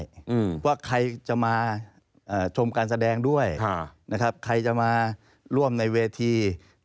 เพราะว่าใครจะมาชมการแสดงด้วยใครจะมาร่วมในเวที